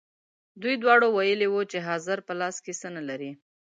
دوی دواړو ویلي وو چې حاضر په لاس کې څه نه لري.